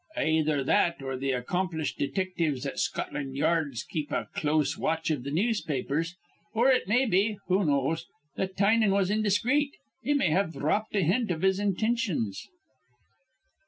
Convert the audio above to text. Ayether that or th' accomplished detictives at Scotland Yards keep a close watch iv the newspapers. Or it may be who knows? that Tynan was indiscreet. He may have dhropped a hint of his intintions."